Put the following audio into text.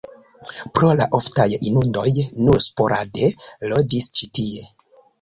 Pro la oftaj inundoj nur sporade loĝis ĉi tie.